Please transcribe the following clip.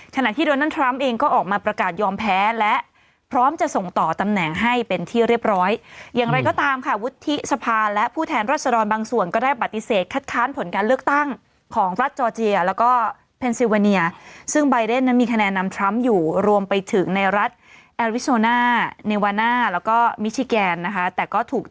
ขณะที่โดนัลดทรัมป์เองก็ออกมาประกาศยอมแพ้และพร้อมจะส่งต่อตำแหน่งให้เป็นที่เรียบร้อยอย่างไรก็ตามค่ะวุฒิสภาและผู้แทนรัศดรบางส่วนก็ได้ปฏิเสธคัดค้านผลการเลือกตั้งของรัฐจอร์เจียแล้วก็เพนซิวาเนียซึ่งใบเดนนั้นมีคะแนนนำทรัมป์อยู่รวมไปถึงในรัฐแอริโซน่าเนวาน่าแล้วก็มิชิแกนนะคะแต่ก็ถูก